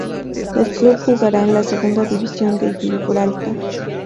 El club jugará en la Segunda división de Gibraltar.